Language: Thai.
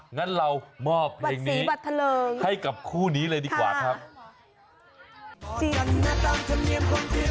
งั้นเรามอบเพลงนี้ให้กับคู่นี้เลยดีกว่าครับค่ะบัตรสีบัตรทะเริง